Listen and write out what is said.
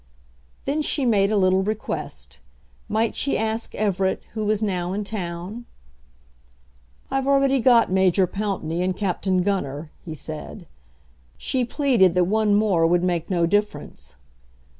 Then she made a little request. Might she ask Everett, who was now in town? "I've already got Major Pountney and Captain Gunner," he said. She pleaded that one more would make no difference.